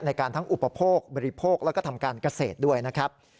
ทั้งอุปโภคบริโภคแล้วก็ทำการเกษตรด้วยนะครับ